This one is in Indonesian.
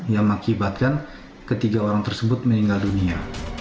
yang mengakibatkan ketiga orang tersebut meninggal dunia